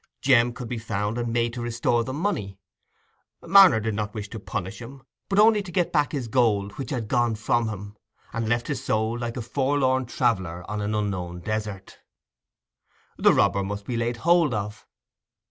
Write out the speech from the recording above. Jem could be found and made to restore the money: Marner did not want to punish him, but only to get back his gold which had gone from him, and left his soul like a forlorn traveller on an unknown desert. The robber must be laid hold of.